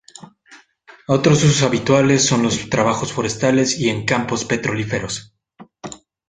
Otros usos habituales son los trabajos forestales y en campos petrolíferos.